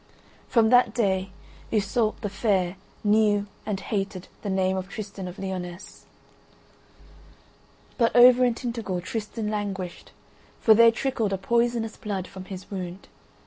From that day Iseult the Fair knew and hated the name of Tristan of Lyonesse. But over in Tintagel Tristan languished, for there trickled a poisonous blood from his wound.